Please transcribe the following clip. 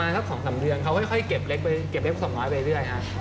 ยังไงครับ๒๓เดือนเขาค่อยเก็บเล็กสองน้อยไปด้วยครับ